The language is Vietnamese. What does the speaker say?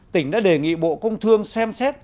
tỉnh đã đề nghị bộ công thương xem xét